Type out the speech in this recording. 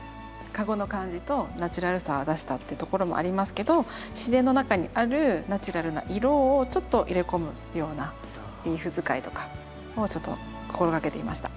カゴの感じとナチュラルさを出したってところもありますけど自然の中にあるナチュラルな色をちょっと入れ込むようなリーフ使いとかをちょっと心掛けてみました。